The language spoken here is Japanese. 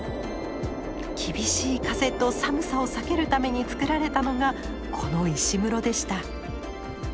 厳しい風と寒さを避けるためにつくられたのがこの石室でした。